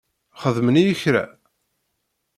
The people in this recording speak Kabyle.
Xedmen-iyi kra?